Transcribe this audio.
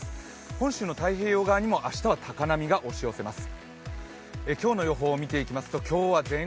本州の太平洋側には明日には高波が押し寄せます。